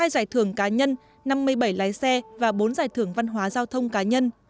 hai giải thưởng cá nhân năm mươi bảy lái xe và bốn giải thưởng văn hóa giao thông cá nhân